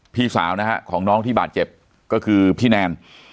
พี่สาวนะฮะของน้องที่บาดเจ็บก็คือพี่แนน